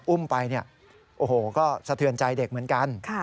อุ้มไปก็สะเทือนใจเด็กเหมือนกัน